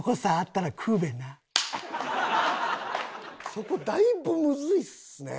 そこだいぶむずいっすね。